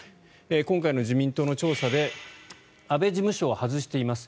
今回の自民党の調査で安倍事務所を外しています。